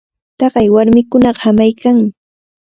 Taqay warmikunaqa hamaykanmi.